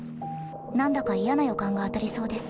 何だか嫌な予感が当たりそうです。